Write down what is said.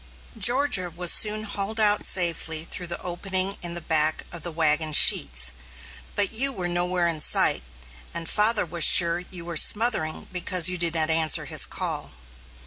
Georgia was soon hauled out safely through the opening in the back of the wagon sheets, but you were nowhere in sight, and father was sure you were smothering because you did not answer his call.